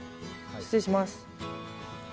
失礼します。